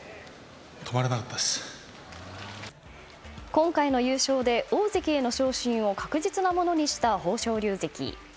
今回の優勝で、大関への昇進を確実なものにした豊昇龍関。